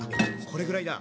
これぐらいだ。